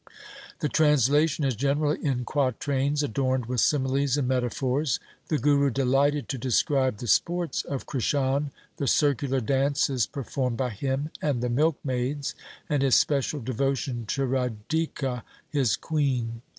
1 The translation is generally in quatrains adorned with similes and metaphors. The Guru delighted to describe the sports of Krishan, the circular dances performed by him and the milk maids, and his special devotion to Radhika his queen.